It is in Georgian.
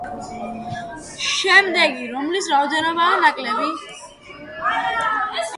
შემდეგი: რომლის რაოდენობაა ნაკლები?